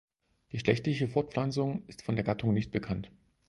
Geschlechtliche Fortpflanzung ist von der Gattung nicht bekannt.